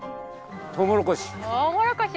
トウモロコシ。